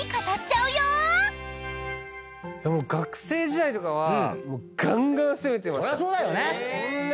学生時代とかはガンガン攻めてました。